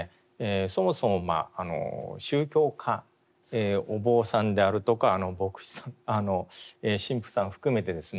そもそも宗教家お坊さんであるとか牧師さん神父さん含めてですね